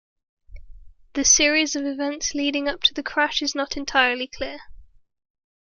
The series of events leading up to the crash is not entirely clear.